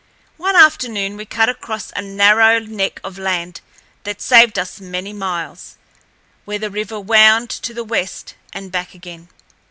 One afternoon, we cut across a narrow neck of land that saved us many miles, where the river wound to the west and back again.